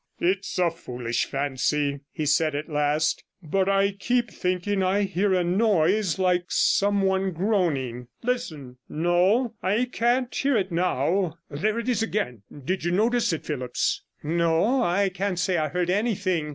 'It's a foolish fancy,' he said at last; 'but I keep thinking I hear a noise like some one groaning. Listen; no, I can't hear it now. There it is again! Did you notice it, Phillipps?' 'No, I can't say I heard anything.